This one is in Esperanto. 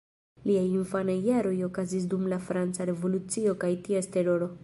Liaj infanaj jaroj okazis dum la Franca revolucio kaj ties Teroro.